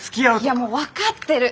いやもう分かってる。